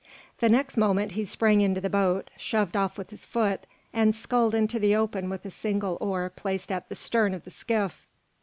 The next moment he sprang into the boat, shoved off with his foot, and sculled into the open with a single oar placed at the stern of the skiff.